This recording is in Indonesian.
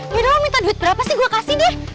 yaudah lo minta duit berapa sih gue kasih deh